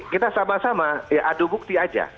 kita sama sama ya adu bukti aja